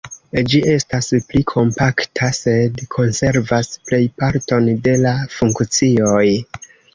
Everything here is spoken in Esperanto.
Ĝi estas pli kompakta, sed konservas plejparton de la funkcioj.